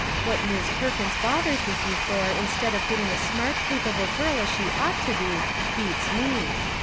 What Mis' Perkins bothers with you for, instead of getting a smart, capable girl as she ought to do, beats me.